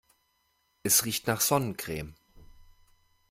Es riecht nach Sonnencreme.